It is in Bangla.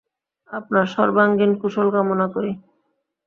আপনার সর্বাঙ্গীণ কুশল কামনা করি।